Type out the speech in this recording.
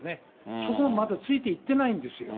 そこはまだついていっていないんですよ。